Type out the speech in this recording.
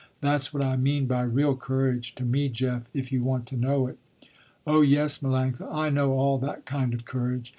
That's what I mean by real courage, to me, Jeff, if you want to know it." "Oh, yes, Melanctha, I know all that kind of courage.